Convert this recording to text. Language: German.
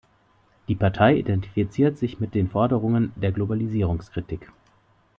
Die Partei identifiziert sich mit den Forderungen der Globalisierungskritik.